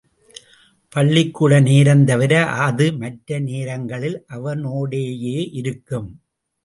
பள்ளிக்கூட நேரம் தவிர, அது மற்ற நேரங்களில் அவனோடேயே இருக்கும்.